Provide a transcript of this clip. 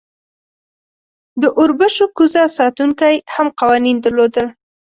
د اوربشو کوزه ساتونکی هم قوانین درلودل.